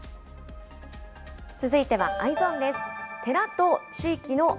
続いてはＥｙｅｓｏｎです。